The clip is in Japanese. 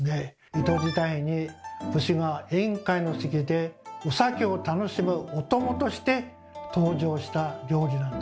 江戸時代に武士が宴会の席でお酒を楽しむお供として登場した料理なんです。